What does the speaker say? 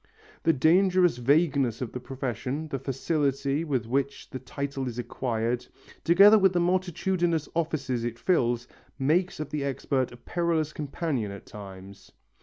The dangerous vagueness of the profession, the facility with which the title is acquired, together with the multitudinous offices it fills, make of the expert a perilous companion at times.